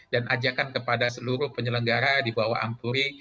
dan ajakan kepada seluruh penyelenggara di bawah ampure